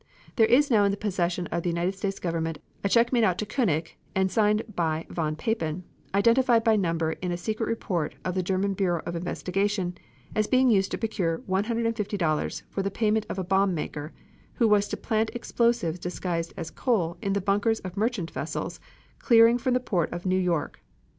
There is now in the possession of the United States Government a check made out to Koenig and signed by von Papen, identified by number in a secret report of the German Bureau of Investigation as being used to procure $150 for the payment of a bomb maker, who was to plant explosives disguised as coal in the bunkers of the merchant vessels clearing from the port of New York.